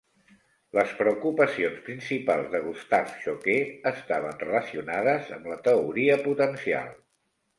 Les preocupacions principals de Gustave Choquet estaven relacionades amb la teoria potencial.